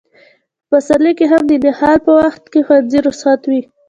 په پسرلي کې هم د نهال په وخت کې ښوونځي رخصت وي.